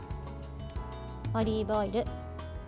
オリーブオイル。